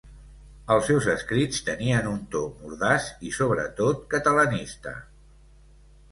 Els seus escrits tenien un to mordaç i sobretot catalanista.